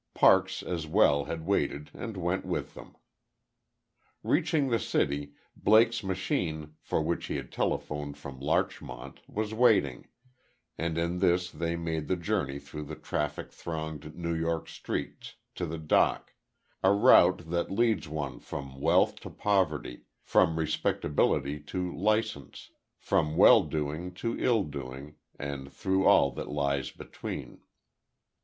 Parks, as well, had waited, and went with them. Reaching the city, Blake's machine, for which he had telephoned from Larchmont, was waiting; and in this they made the journey through the traffic thronged New York streets, to the dock; a route that leads one from wealth to poverty, from respectability to license, from well doing to ill doing, and through all that lies between.